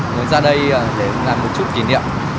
muốn ra đây để làm một chút kỉ niệm